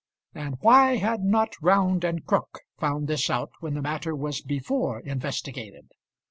And why had not Round and Crook found this out when the matter was before investigated?